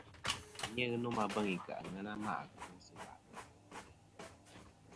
Aghɨ nomɨ a beŋ i ka àŋena ma' ɨkwo sɨ bà'lɨ ntè' ateyn.